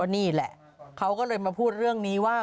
นี่แหละเขาก็เลยมาพูดเรื่องนี้ว่า